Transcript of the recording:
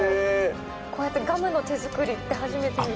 「こうやってガムの手作りって初めて見る」